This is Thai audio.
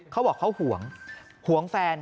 เขาบอกเขาห่วงห่วงแฟน